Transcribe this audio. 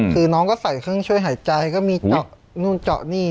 คือน้องก็ใส่เครื่องช่วยหายใจก็มีเจาะนู่นเจาะนี่